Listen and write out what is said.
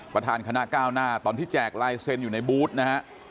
ประธานคณะก้าวหน้าตอนที่แจกลายเซ็นต์อยู่ในบูธนะฮะ